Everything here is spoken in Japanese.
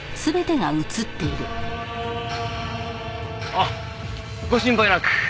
あっご心配なく。